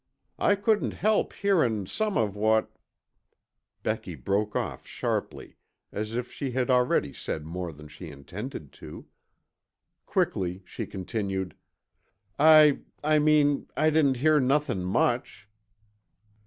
I couldn't help hearin' some of what " Becky broke off sharply as if she had already said more than she intended to. Quickly she continued, "I I mean, I didn't hear nothin' much."